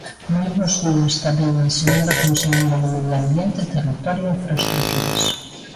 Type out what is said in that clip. Moi bos días tamén á señora conselleira de Medio Ambiente, Territorio e Infraestruturas.